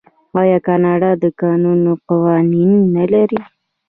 آیا کاناډا د کانونو قوانین نلري؟